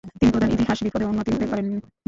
তিনি প্রধান ইতিহাসবিদ পদে উন্নীত হতে পারেননি।